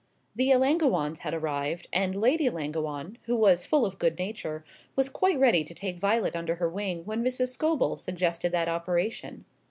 The Ellangowans had arrived, and Lady Ellangowan, who was full of good nature, was quite ready to take Violet under her wing when Mrs. Scobel suggested that operation.